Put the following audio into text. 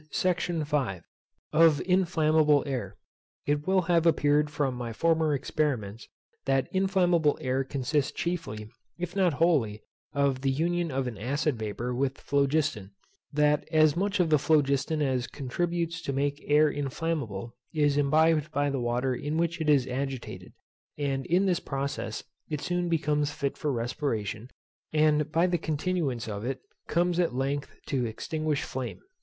SECTION V. Of INFLAMMABLE AIR. It will have appeared from my former experiments, that inflammable air consists chiefly, if not wholly, of the union of an acid vapour with phlogiston; that as much of the phlogiston as contributes to make air inflammable is imbibed by the water in which it is agitated; that in this process it soon becomes fit for respiration, and by the continuance of it comes at length to extinguish flame.